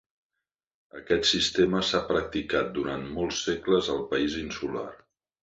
Aquest sistema s'ha practicat durant molts segles al país insular.